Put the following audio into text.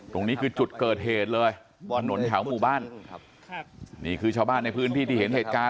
ตรงนี้คือจุดเกิดเหตุเลยถนนแถวหมู่บ้านนี่คือชาวบ้านในพื้นที่ที่เห็นเหตุการณ์